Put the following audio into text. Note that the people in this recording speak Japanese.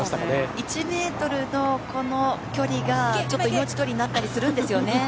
１ｍのこの距離がちょっと命取りになったりするんですよね。